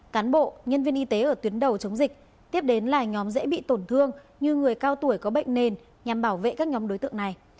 cán bộ nhân viên y tế ở tuyến đầu chống dịch tiếp đến là nhóm dễ bị tổn thương như người cao tuổi có bệnh nền nhằm bảo vệ các nhóm đối tượng này